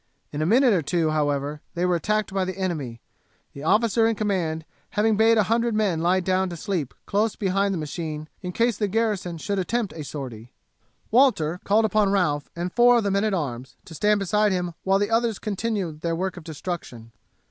In a minute or two, however, they were attacked by the enemy, the officer in command having bade a hundred men lie down to sleep close behind the machine in case the garrison should attempt a sortie. Walter called upon Ralph and four of the men at arms to stand beside him while the others continued their work of destruction.